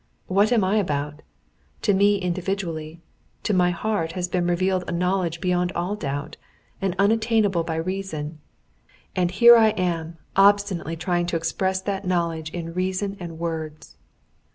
What am I about? To me individually, to my heart has been revealed a knowledge beyond all doubt, and unattainable by reason, and here I am obstinately trying to express that knowledge in reason and words.